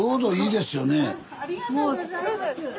ありがとうございます。